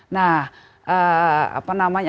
nah apa namanya